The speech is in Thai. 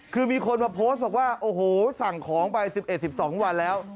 คือมีคนมาโพสต์บอกว่าโอ้โหสั่งของไป๑๑๑๒วันแล้ว